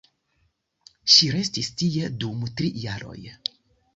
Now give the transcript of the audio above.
Ŝi restis tie dum tri jaroj.